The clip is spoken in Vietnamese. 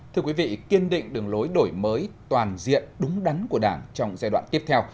thưa quý vị kiên định đường lối đổi mới toàn diện đúng đắn của đảng trong giai đoạn tiếp theo